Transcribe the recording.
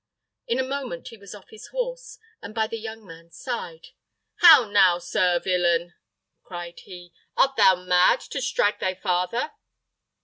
In a moment he was off his horse, and by the young man's side. "How now, sir villain!" cried he, "art thou mad, to strike thy father?"